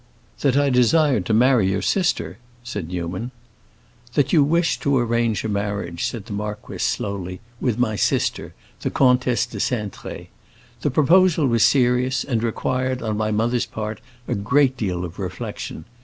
"That I desired to marry your sister?" said Newman. "That you wished to arrange a marriage," said the marquis, slowly, "with my sister, the Comtesse de Cintré. The proposal was serious, and required, on my mother's part, a great deal of reflection.